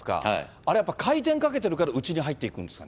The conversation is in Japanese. あれやっぱ回転かけてるから、内に入っていくんですか？